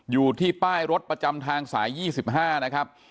อยู่ที่ป้ายรถประจำทางสาย๒๕นะครับ